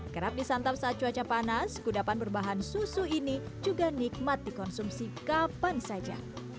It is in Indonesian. kerap disantap saat cuaca panas kudapan berbahan susu ini juga nikmat dikonsumsi kapan saja